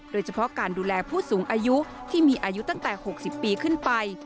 โดยเฉพาะการดูแลผู้สูงอายุที่มีอายุตั้งแต่๖๐ปีขึ้นไป